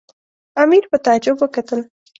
امیر په تعجب وکتل.